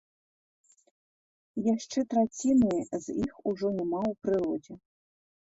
Яшчэ траціны з іх ужо няма ў прыродзе.